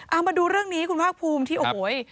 เอามาดูเรื่องนี้คุณภาคภูมิที่โอ้โห